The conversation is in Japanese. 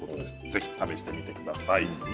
ぜひ試してみてください。